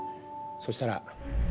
そしたら。